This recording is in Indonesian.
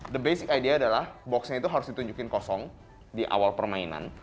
the basic idea adalah box nya itu harus ditunjukkan kosong di awal permainan